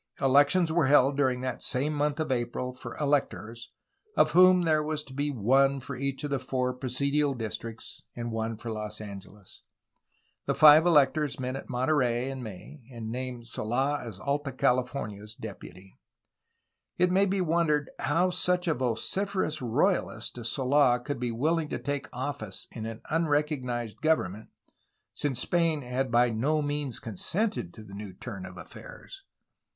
Elections were held during that same month of April for electors, of whom there was to be one for each of the four presidial districts and one for Los Angeles. The five electors met at Monterey in May, and named Sold, as Alta Cali fornia's deputy. It may be wondered how such a vociferous royalist as Sold could be wilhng to take office in an unrecog nized government, since Spain had by no means consented to the new turn of affairs.